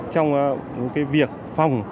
trong cái việc phòng